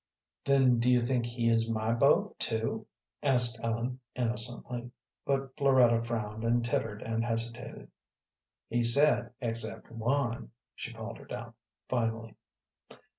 "Then do you think he is my beau, too?" asked Ellen, innocently. But Floretta frowned, and tittered, and hesitated. "He said except one," she faltered out, finally.